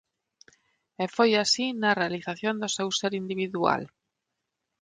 E foi así na realización do seu ser individual.